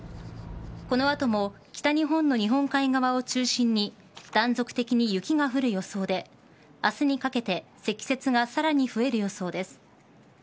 この後も北日本の日本海側を中心に断続的に雪が降る予想で明日にかけて積雪がさらに増える予想です。